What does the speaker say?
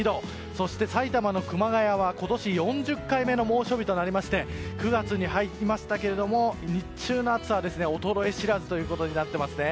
そして埼玉の熊谷は今年４０回目の猛暑日となり９月に入りましたけれども日中の暑さは衰え知らずということになってますね。